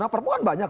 nah perpu kan banyak